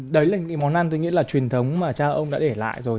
đấy là những món ăn tôi nghĩ là truyền thống mà cha ông đã để lại rồi